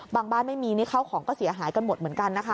บ้านไม่มีนี่เข้าของก็เสียหายกันหมดเหมือนกันนะคะ